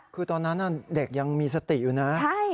คือตอนนั้นเด็กยังมีสติอยู่นะ